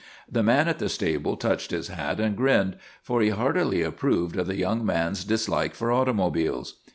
The man at the stable touched his hat and grinned, for he heartily approved of the young man's dislike for automobiles.